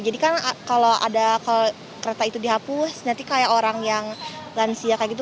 jadi kan kalau ada kereta itu dihapus nanti kayak orang yang lansia kayak gitu